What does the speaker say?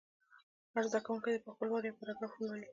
هر زده کوونکی دې په خپل وار یو پاراګراف ولولي.